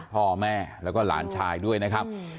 พ่อแม่แล้วก็หลานชายด้วยนะครับ